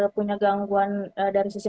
punya gangguan dari sisi